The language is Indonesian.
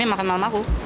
ya ini makan malam aku